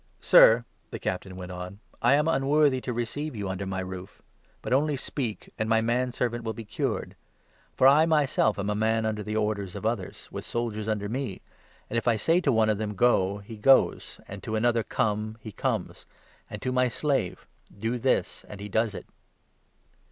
7 " Sir," the Captain went on, " I am unworthy to receive you 8 under my roof ; but only speak, and my manservant will be cured. For I myself am a man under the orders of others, 9 with soldiers under me ; and, if I say to one of them ' Go,' he goes, and to another ' Come,' he comes, and to my slave ' Do this,' he does it."